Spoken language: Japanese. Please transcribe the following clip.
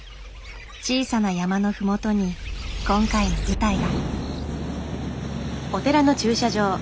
小さな山の麓に今回の舞台が。